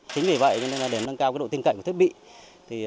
chính vì vậy để nâng cao độ tiên cạnh của thiết bị